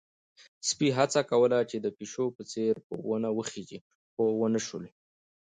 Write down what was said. سپی هڅه کوله چې د پيشو په څېر په ونې وخيژي، خو ونه شول.